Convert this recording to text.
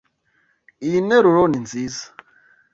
Iyi nteruro ni nziza.